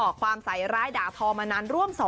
อกความใส่ร้ายด่าทอมานานร่วม๒